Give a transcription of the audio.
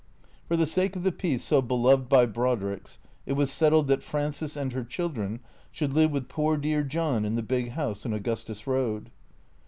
For the sake of the peace so beloved by Brodricks it was settled that Frances and her children should live with poor dear John in the big house in Augustus Eoad.